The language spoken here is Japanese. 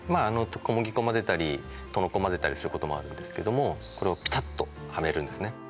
小麦粉まぜたりとの粉まぜたりすることもあるんですけどもこれをピタッとはめるんですね